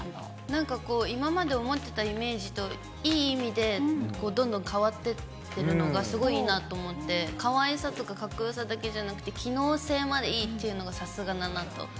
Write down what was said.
なんか今まで思ってたイメージと、いい意味でどんどん変わってってるのがすごいいいなと思って、かわいさとかかっこよさだけじゃなくて、機能性までいいっていうのがさすがだなと。